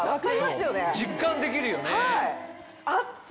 そう実感できるよね。